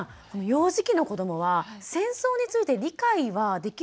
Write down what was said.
幼児期の子どもは戦争について理解はできるものなんでしょうか？